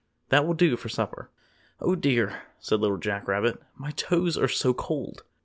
"That will do for supper." "Oh, dear," said Little Jack Rabbit, "my toes are so cold."